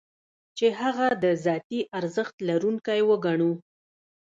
چې هغه د ذاتي ارزښت لرونکی وګڼو.